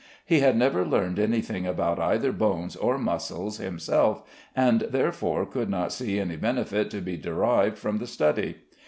He had never learned any thing about either bones or muscles himself, and therefore could not see any benefit to be derived from the study.